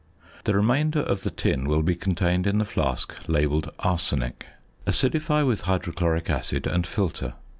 The remainder of the tin will be contained in the flask labelled "arsenic." Acidify with hydrochloric acid and filter.